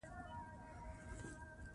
ډیپلوماسي د ملتونو ترمنځ اعتماد جوړوي.